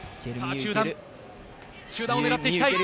中段を狙っていきたい。